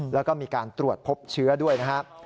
แล้วก็มีการตรวจพบเชื้อด้วยนะครับ